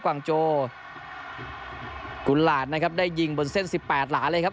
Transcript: วางโจกุหลาดนะครับได้ยิงบนเส้นสิบแปดหลานเลยครับ